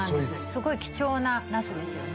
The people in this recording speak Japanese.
すごい貴重なナスですよね